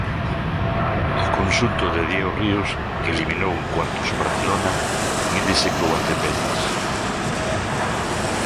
O conxunto de Diego Ríos, que eliminou en cuartos o Barcelona, mídese co Valdepeñas.